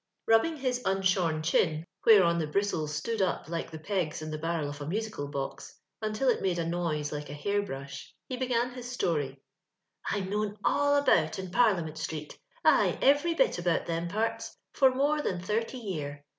Kulibiug lijs imshttru chin, whereon the bristles stood up like the i)cgs in tho barrel of a musical box — until it made a noise hko u li air brush, he began his story :—" I'm known all about in Parliament street — ay, every bit about them parts, — for more than thirty year.